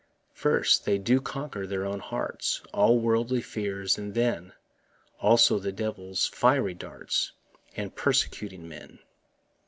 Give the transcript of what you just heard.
First, they do conquer their own hearts, All worldly fears, and then Also the devil's fiery darts, And persecuting men.